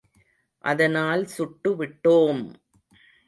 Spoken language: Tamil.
அதனால் சுட்டு விட்டோம்!